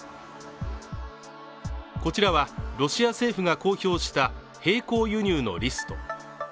こちらはロシア政府が公表した並行輸入のリスト。